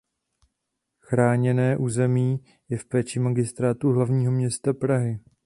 Chráněné území je v péči Magistrátu hlavního města Prahy..